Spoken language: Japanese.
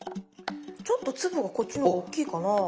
ちょっと粒がこっちのが大きいかな。